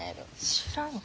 知らんわ。